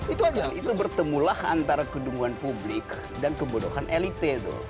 itu bertemulah antara kedunguan publik dan kebodohan elite